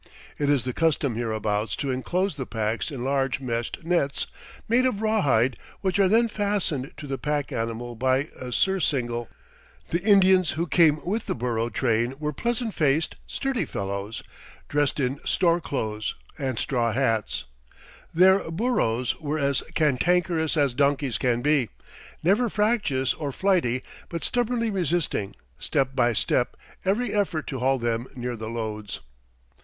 It is the custom hereabouts to enclose the packs in large meshed nets made of rawhide which are then fastened to the pack animal by a surcingle. The Indians who came with the burro train were pleasant faced, sturdy fellows, dressed in "store clothes" and straw hats. Their burros were as cantankerous as donkeys can be, never fractious or flighty, but stubbornly resisting, step by step, every effort to haul them near the loads.